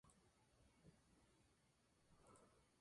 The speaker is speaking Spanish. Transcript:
Está ubicado en la ciudad de Ginebra, Suiza.